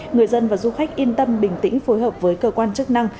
người dân và du khách yên tâm bình tĩnh phối hợp với cơ quan chức năng